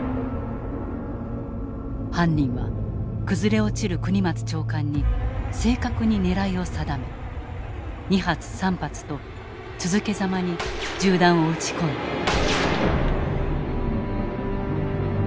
犯人は崩れ落ちる國松長官に正確に狙いを定め２発３発と続けざまに銃弾を撃ち込んだ。